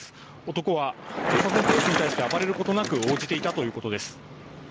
男は警察の聴取に対して暴れることなく応じていたということです。